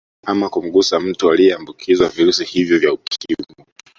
Ama kumgusa mtu aliyeambukizwa virusi hivyo vya ukimwi